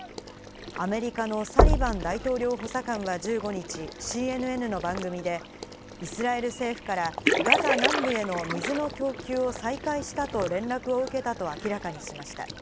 アメリカのサリバン大統領補佐官は１５日、ＣＮＮの番組で、イスラエル政府からガザ南部への水の供給を再開したと連絡を受けたと明らかにしました。